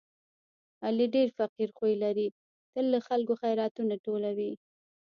علي ډېر فقیر خوی لري، تل له خلکو خیراتونه ټولوي.